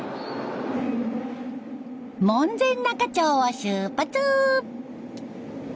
門前仲町を出発！